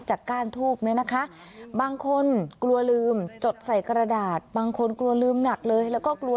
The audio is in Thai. จากก้านทูบเนี่ยนะคะ